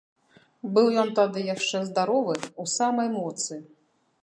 Быў ён тады яшчэ здаровы, у самай моцы.